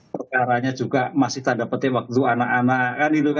perkaranya juga masih tanda peti waktu anak anak